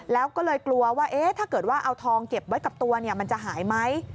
แล้วก็เลยกลัวว่าถ้าเกิดว่าเอาทองเก็บไว้กับตัวมันจะหายไหม